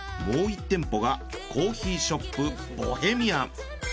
もう１店舗がコーヒーショップボヘミアン。